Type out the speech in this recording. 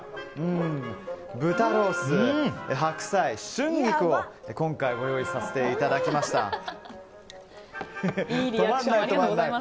豚ロース、白菜、春菊を今回ご用意させていただきました。